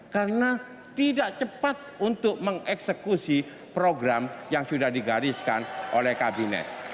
karena tidak cepat untuk mengeksekusi program yang sudah digariskan oleh kabinet